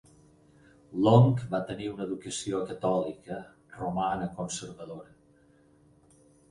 Long va tenir una educació catòlica romana conservadora.